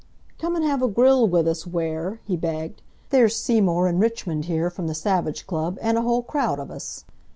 "Come and have a grill with us, Ware," he begged. "There's Seymour and Richmond here, from the Savage Club, and a whole crowd of us.